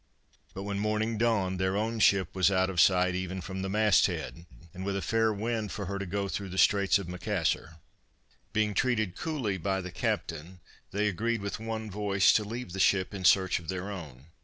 But when morning dawned, their own ship was out of sight even from the mast head, and with a fair wind for her to go through the straits of Macassar. Being treated coolly by the captain, they agreed with one voice to leave the ship in search of their own.